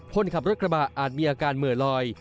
คนขับรถกระบะอาจมีอาการเหมือลอย